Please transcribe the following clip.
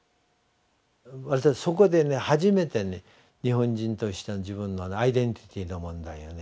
私そこで初めてね日本人としての自分のアイデンティティーの問題をね